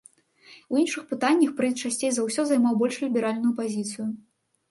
У іншых пытаннях прынц часцей за ўсё займаў больш ліберальную пазіцыю.